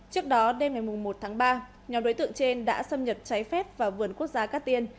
trước đó đêm ngày một tháng ba nhóm đối tượng trên đã xâm nhập trái phép vào vườn quốc gia cát tiên